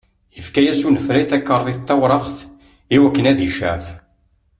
Ifka-yas unefray takarḍit tawraɣt i wakken ad icɛef.